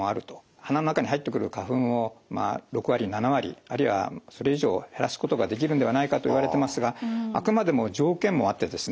鼻の中に入ってくる花粉を６割７割あるいはそれ以上減らすことができるんではないかといわれてますがあくまでも条件もあってですね